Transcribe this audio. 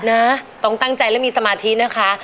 นะต้องตั้งใจและมีสมาธินะคะ